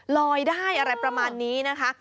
ลอยได้อะไรประมาณนี้นะคะ